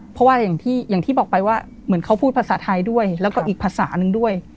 เพราะว่าอย่างที่บอกไปว่าเหมือนเขาพูดภาษาไทยด้วยแล้วก็อีกภาษาหนึ่งด้วย